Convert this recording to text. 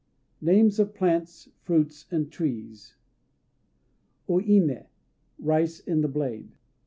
NAMES OF PLANTS, FRUITS, AND TREES O Iné "Rice in the blade."